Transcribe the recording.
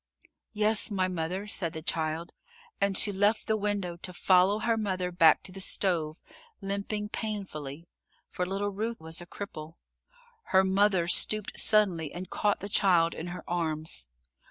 "Yes, my mother," said the child, and she left the window to follow her mother back to the stove, limping painfully, for little Ruth was a cripple. Her mother stooped suddenly and caught the child in her arms.